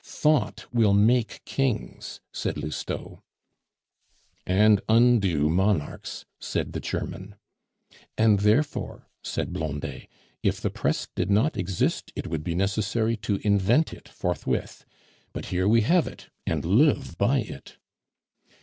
"Thought will make kings," said Lousteau. "And undo monarchs," said the German. "And therefore," said Blondet, "if the press did not exist, it would be necessary to invent it forthwith. But here we have it, and live by it."